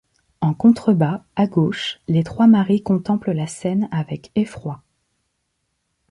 En contrebas, à gauche, les trois Marie contemplent la scène avec effroi.